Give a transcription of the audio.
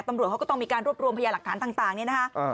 ตำรวจเขาก็ต้องมีการรวบรวมพยาหลักฐานต่างเนี่ยนะคะ